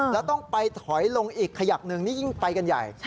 แล้วต้องไปถอยลงอีกขยักหนึ่งนี่ยิ่งไปกันใหญ่